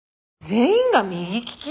全員が右利き？